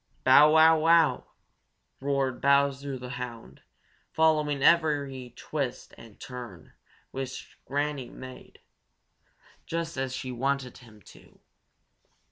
"Bow, wow, wow!" roared Bowser the Hound, following every twist and turn which Granny Fox made, just as she wanted him to.